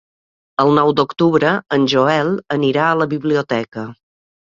El nou d'octubre en Joel anirà a la biblioteca.